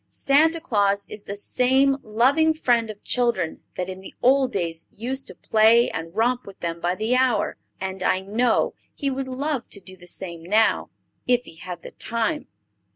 Santa Claus is the same loving friend of children that in the old days used to play and romp with them by the hour; and I know he would love to do the same now, if he had the time.